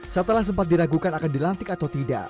setelah sempat diragukan akan dilantik atau tidak